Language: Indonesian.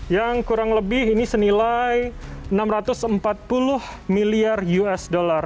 yang kurang lebih ini senilai enam ratus empat puluh miliar usd